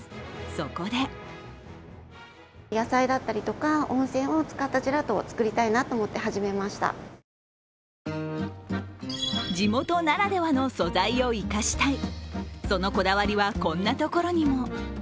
そこで地元ならではの素材を生かしたい、そのこだわりはこんなところにも。